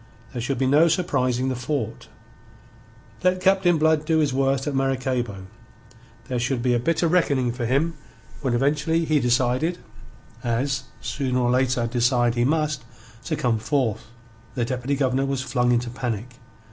There should be no surprising the fort. Let Captain Blood do his worst at Maracaybo, there should be a bitter reckoning for him when eventually he decided as, sooner or later, decide he must to come forth. The Deputy Governor was flung into panic.